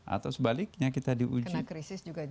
atau sebaliknya kita di uji